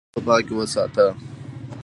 اوبه پاکې وساته.